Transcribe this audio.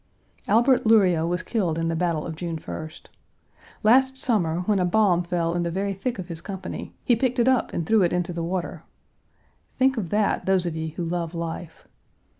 Albert Luryea was killed in the battle of June 1st. Last summer when a bomb fell in the very thick of his company he picked it up and threw it into the water. Think of that, those of ye who love life!